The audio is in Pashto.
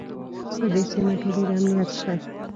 په دې سیمه کې ډېر امنیت شته